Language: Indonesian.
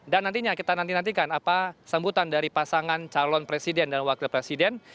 dan nantinya kita nantikan apa sambutan dari pasangan calon presiden dan wakil presiden